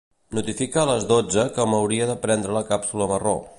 Notifica a les dotze que m'hauria de prendre la càpsula marró.